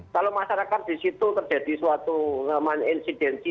kalau masyarakat di situ terjadi suatu insidensi